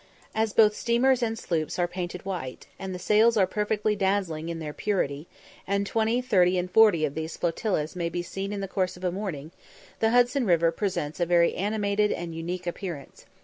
As both steamers and sloops are painted white, and the sails are perfectly dazzling in their purity, and twenty, thirty, and forty of these flotillas may be seen in the course of a morning, the Hudson river presents a very animated and unique appearance.